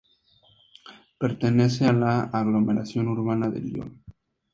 Pertenece a la aglomeración urbana de Lyon.